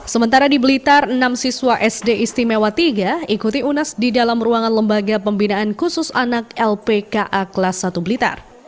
sementara di blitar enam siswa sd istimewa tiga ikuti unas di dalam ruangan lembaga pembinaan khusus anak lpka kelas satu blitar